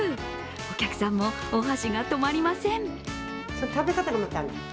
お客さんもお箸が止まりません。